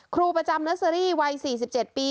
ครูประจำเนอร์เซอรี่วัย๔๗ปี